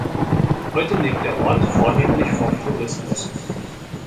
Heute lebt der Ort vornehmlich vom Tourismus.